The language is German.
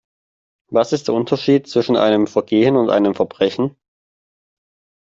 Was ist der Unterschied zwischen einem Vergehen und einem Verbrechen?